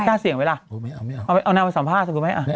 กล้าเสี่ยงไว้ล่ะไม่เอาไม่เอาเอานางไปสัมภาษณ์รู้ไหมอ่ะ